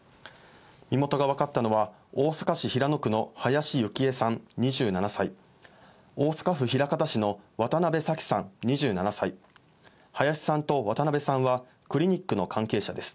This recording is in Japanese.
身元が分かったのは、大阪市平野区の林幸恵さん２７歳、大阪府枚方市の渡邉咲季さん２７歳、林さんと渡邉さんはクリニックの関係者です。